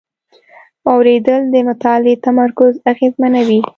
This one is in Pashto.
اورېدل د مطالعې تمرکز اغېزمنوي.